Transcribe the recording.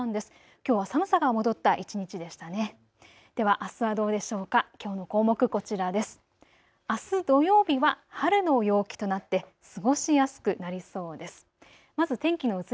きょうは寒さが戻った一日でしたね。